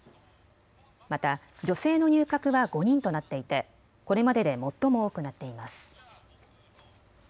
また女性の入閣は５人となっていてこれまでで最も多くなっています。